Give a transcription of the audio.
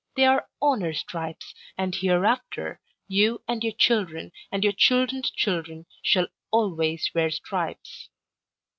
They are honor stripes, and hereafter you and your children and your children's children shall always wear stripes.'